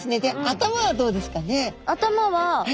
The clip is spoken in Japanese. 頭はどうですかね？